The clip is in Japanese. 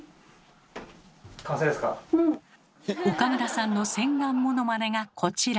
岡村さんの洗顔ものまねがこちら。